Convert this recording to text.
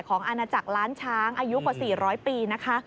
อาณาจักรล้านช้างอายุกว่า๔๐๐ปีนะคะ